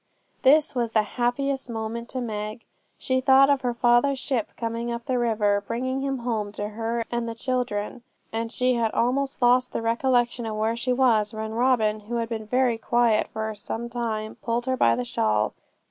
This was the happiest moment to Meg. She thought of her father's ship coming up the river, bringing him home to her and the children; and she had almost lost the recollection of where she was, when Robin, who had been very quiet for some time, pulled her by the shawl.